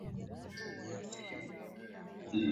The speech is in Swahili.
Machini yake aiwaki juya batterie